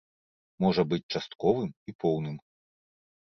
Можа быць частковым і поўным.